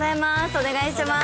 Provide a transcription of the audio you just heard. お願いしまーす。